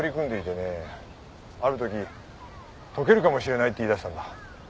あるとき「解けるかもしれない」って言いだしたんだ。